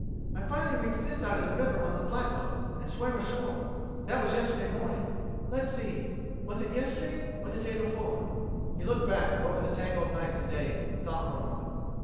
"I finally reached this side of the river on the flatboat, and swam ashore. That was yesterday morning. Let's see was it yesterday or the day before?" He looked back over the tangle of nights and days, and thought for a moment.